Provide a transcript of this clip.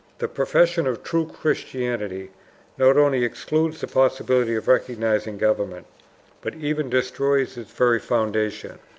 The profession of true Christianity not only excludes the possibility of recognizing government, but even destroys its very foundations.